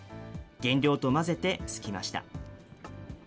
原料と混ぜてすきました。